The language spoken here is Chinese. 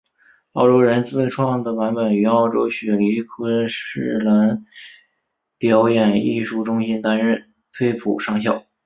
澳洲人自创的版本于澳洲雪梨昆士兰表演艺术中心担任崔普上校。